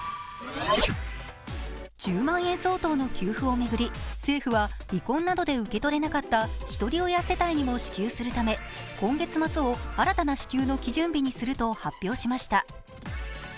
１０万円相当の給付を巡り、政府は離婚などで受け取れなかったひとり親世帯にも支給するため今月末を新たな支給の基準日にすると発表しました。